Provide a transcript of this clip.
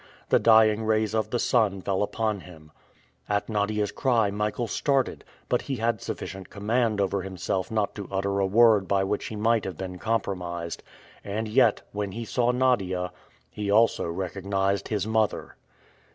The dying rays of the sun fell upon him. At Nadia's cry Michael started. But he had sufficient command over himself not to utter a word by which he might have been compromised. And yet, when he saw Nadia, he also recognized his mother.